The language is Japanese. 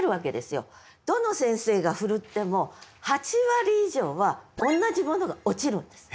どの先生が振るっても８割以上は同じものが落ちるんです。